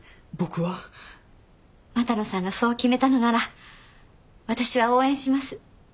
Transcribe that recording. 股野さんがそう決めたのなら私は応援します。